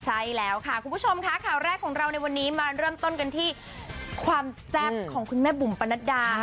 ใช่แล้วค่ะคุณผู้ชมค่ะข่าวแรกของเราในวันนี้มาเริ่มต้นกันที่ความแซ่บของคุณแม่บุ๋มปนัดดา